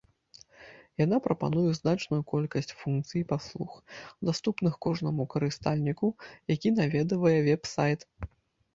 Яна прапануе значную колькасць функцый і паслуг, даступных кожнаму карыстальніку, які наведвае вэб-сайт.